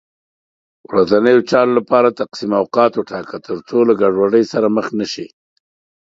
ورځنیو چارو لپاره تقسیم اوقات وټاکه، تر څو له ګډوډۍ سره مخ نه شې